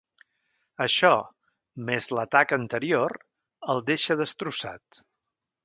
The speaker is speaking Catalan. Això, més l'atac anterior, el deixa destrossat.